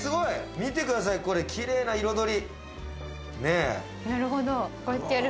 見てください、これ、きれいな彩り。